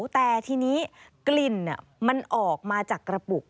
แต่ทีนี้กลิ่นมันออกมาจากกระปุก